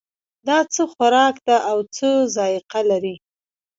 دا څه خوراک ده او څه ذائقه لري